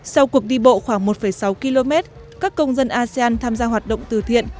sau cuộc đi bộ khoảng một sáu km các công dân asean tham gia hoạt động từ thiện